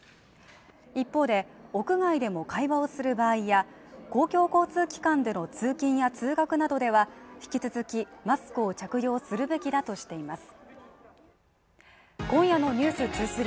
一方で、屋外でも会話をする場合は公共交通機関での通勤や通学などでは引き続きマスクを着用するべきだとしてまいす。